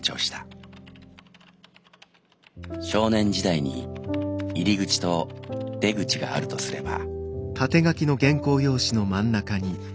少年時代に入り口と出口があるとすれば」。